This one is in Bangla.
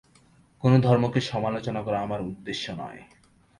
কোন ধর্মকে সমালোচনা করা আমার উদ্দেশ্য নয়।